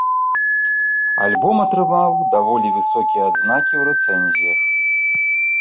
Альбом атрымаў даволі высокія адзнакі ў рэцэнзіях.